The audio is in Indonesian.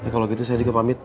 kalau gitu saya juga pamit